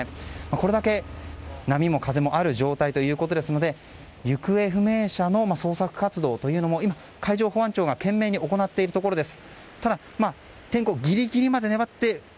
これだけ波も風もある状態ということですので行方不明者の捜索活動も今、海上保安庁が懸命に行っているところです。